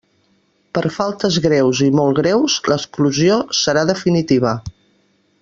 Per faltes greus i molt greus l'exclusió, serà definitiva.